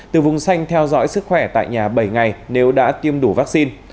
từ vùng xanh theo dõi sức khỏe tại nhà bảy ngày nếu đã tiêm đủ vaccine